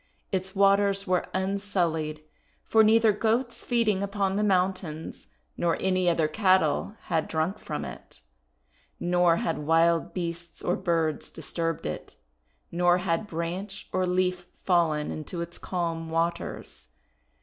Its waters were un sullied, for neither Goats feeding upon the moun tains nor any other cattle had drunk from it, nor had wild beasts or birds disturbed it, nor had branch or leaf fallen into its calm waters.